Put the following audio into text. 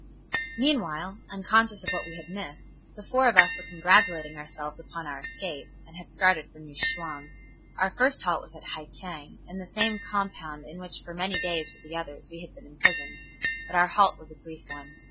Meanwhile, unconscious of what we had missed, the four of us were congratulating ourselves upon our escape, and had started for New Chwang. Our first halt was at Hai Cheng, in the same compound in which for many days with the others we had been imprisoned. But our halt was a brief one.